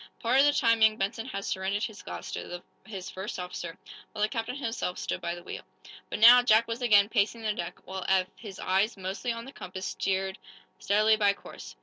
Part of the time young Benson had surrendered his glass to his first officer, while the captain himself stood by the wheel. But now, Jack was again pacing the deck, while Eph, his eyes mostly on the compass, steered steadily by course.